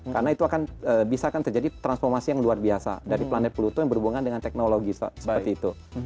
karena itu akan bisa terjadi transformasi yang luar biasa dari planet pluto yang berhubungan dengan teknologi seperti itu